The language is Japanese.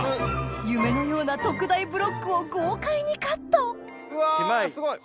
夢のような特大ブロックを豪快にカットうわすごい！